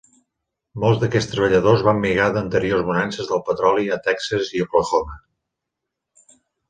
Molts d'aquests treballadors van migrar d'anteriors bonances del petroli a Texas i Oklahoma.